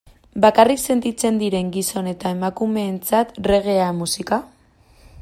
Bakarrik sentitzen diren gizon eta emakumeentzat reggae musika?